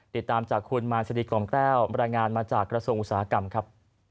ติดตามจากคุณมาสรีกล่อมแก้วรายงานมาจากกระทรวงอุตสาหกรรมครับ